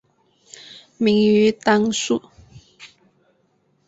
明于丹术。